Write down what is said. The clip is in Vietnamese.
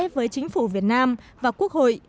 với chính phủ việt nam và quốc hội